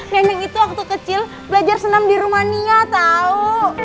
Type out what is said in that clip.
nenek itu waktu kecil belajar senam di rumania tahu